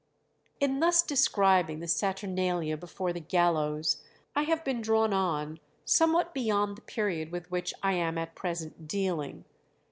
In thus describing the saturnalia before the gallows I have been drawn on somewhat beyond the period with which I am at present dealing.